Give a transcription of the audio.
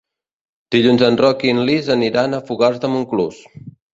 Dilluns en Roc i na Lis aniran a Fogars de Montclús.